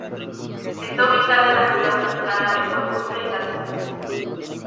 Está ubicada en la ciudad mexicana de Huejutla, Hidalgo.